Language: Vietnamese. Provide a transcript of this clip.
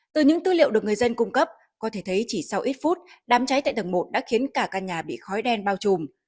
từ những tư liệu được người dân cung cấp có thể thấy chỉ sau ít phút đám cháy tại tầng một đã khiến cả căn nhà bị khói đen bao trùm